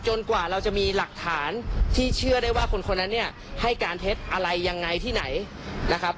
กว่าเราจะมีหลักฐานที่เชื่อได้ว่าคนคนนั้นเนี่ยให้การเท็จอะไรยังไงที่ไหนนะครับ